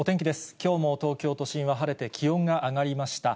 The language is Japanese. きょうも東京都心は晴れて気温が上がりました。